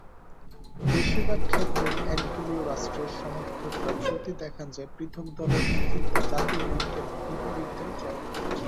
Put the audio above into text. বেশিরভাগ ক্ষেত্রেই একদলীয় রাষ্ট্রের সমর্থকরা যুক্তি দেখান যে পৃথক দলের অস্তিত্ব জাতীয় ঐক্যের বিপরীতে চলে।